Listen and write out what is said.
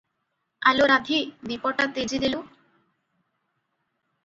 ଆଲୋ ରାଧୀ! ଦୀପଟା ତେଜି ଦେଲୁ ।